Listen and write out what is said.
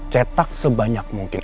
cetak sebanyak mungkin